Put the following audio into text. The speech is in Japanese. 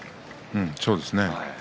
そうですね